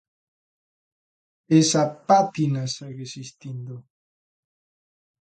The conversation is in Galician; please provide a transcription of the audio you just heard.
Esa pátina segue existindo.